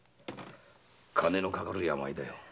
金のかかる病だ。